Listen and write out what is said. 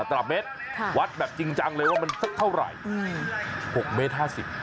ตรับเมตรวัดแบบจริงจังเลยว่ามันเท่าไหร่หกเมตรห้าสิบ